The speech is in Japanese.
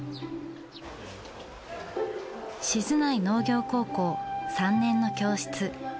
静内農業高校３年の教室。